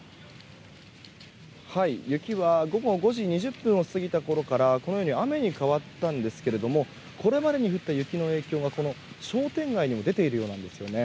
雪は午後５時２０分を過ぎたころからこのように雨に変わったんですけれどもこれまでに降った雪の影響がこの商店街にも出ているようなんですよね。